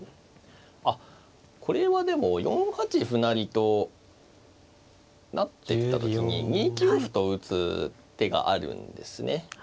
あっこれはでも４八歩成と成ってきた時に２九歩と打つ手があるんですね。